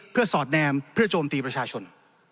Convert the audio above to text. เพื่อสอดแนมเพื่อโจมตีประชาชน